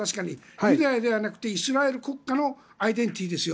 ユダヤではなくてイスラエル国家のアイデンティティーですよ。